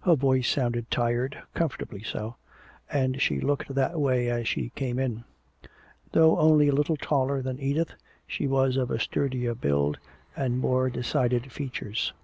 Her voice sounded tired, comfortably so, and she looked that way as she came in. Though only a little taller than Edith, she was of a sturdier build and more decided features.